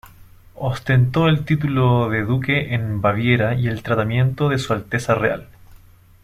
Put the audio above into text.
Ostentó el título de duque en Baviera y el tratamiento de "Su Alteza Real".